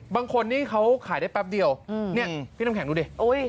บางคนนี่เขาขายได้แป๊บเดียวเนี่ยพี่น้ำแข็งดูดิ